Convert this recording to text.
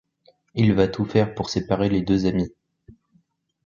Il va tout faire pour séparer les deux amis.